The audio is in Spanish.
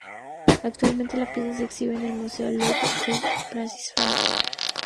Actualmente la pieza se exhibe en el Museo del Louvre de París, Francia.